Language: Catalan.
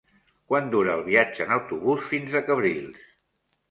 Quant dura el viatge en autobús fins a Cabrils?